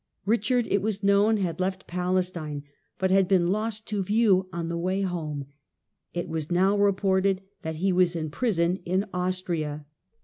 Richard it was known had left Palestine, but had been lost to view on the way home; it was now reported that he was in prison in Austria.